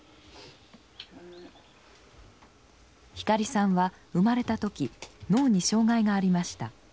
光さんは生まれた時脳に障害がありました。